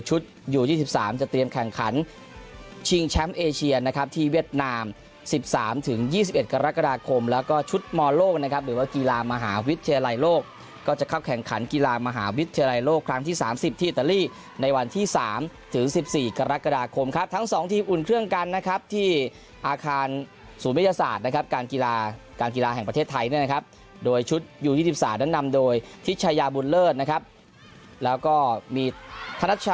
ชุดยู๒๓จะเตรียมแข่งขันชิงแชมป์เอเชียนะครับที่เวียดนาม๑๓ถึง๒๑กรกฎาคมแล้วก็ชุดมอโลกนะครับหรือว่ากีฬามหาวิทยาลัยโลกก็จะเข้าแข่งขันกีฬามหาวิทยาลัยโลกครั้งที่๓๐ที่อิตาลีในวันที่๓ถึง๑๔กรกฎาคมครับทั้ง๒ทีมอุ่นเครื่องการนะครับที่อาคารศูนย์วิทยาศาสตร์นะครับการ